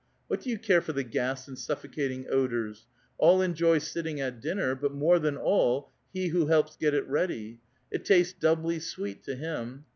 What do you care for the gas and suffocating odors 1 All enjoy sitting at dinner, but more than all he who helps get it ready ; it tastes doubly sweet to him.